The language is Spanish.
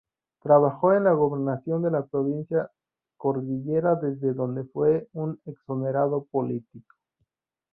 Trabajó en la Gobernación de la provincia Cordillera desde donde fue un exonerado político.